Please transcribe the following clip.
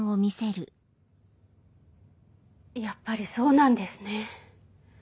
やっぱりそうなんですね。